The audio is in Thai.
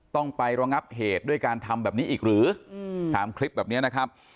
ต้องไประงับเหตุด้วยการทำแบบนี้อีกหรือตามคลิปแบบนี้นะครับ